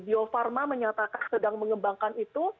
bio farma menyatakan sedang mengembangkan itu